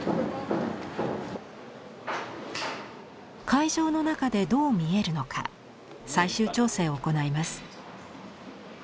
会場の中でどう見えるのか最終調整を行います。